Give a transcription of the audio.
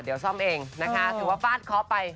เดี๋ยวซ่อมเองนะคะถือว่าฟาดเคาะไป